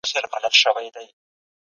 زردالو کولمې پاکوي.